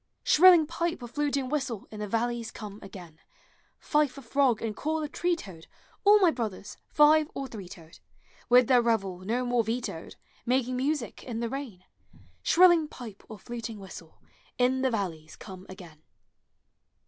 Shrilling pipe or tinting whistle, In the valleys come again; Fife of frog and call of tree toad, All my brothers, five or three toed, Digitized by Google YOUTH. With their revel no more vetoed, Making music in the rain ; Shrilling pipe or fluting whistle, In the valleys come again.